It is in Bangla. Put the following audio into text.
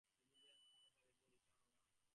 কারণ ফিরোজের মামার বাড়ি বরিশাল নয়।